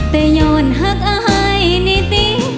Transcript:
แต่ย้อนหักอายนิติ